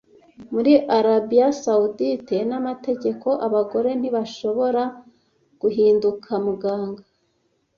Muri Arabiya Sawudite n’amategeko abagore ntibashobora guhinduka Muganga